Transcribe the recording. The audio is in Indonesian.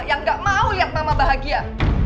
yang gak mau lihat mama bahagia